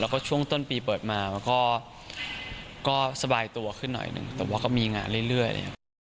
แล้วก็ช่วงต้นปีเปิดมามันก็สบายตัวขึ้นหน่อยหนึ่งแต่ว่าก็มีงานเรื่อย